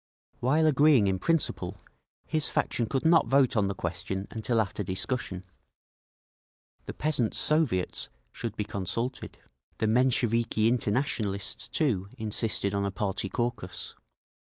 While agreeing in principle, his faction could not vote on the question until after discussion. The Peasants' Soviets should be consulted…. The Mensheviki Internationalists, too, insisted on a party caucus.